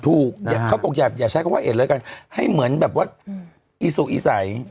เขาบอกอย่าใช้คำว่าเอ็ดแล้วกันให้เหมือนแบบว่าอีสุอีใส